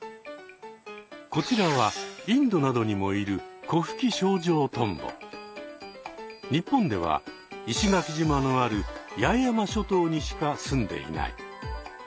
こちらはインドなどにもいる日本では石垣島のある八重山諸島にしかすんでいない。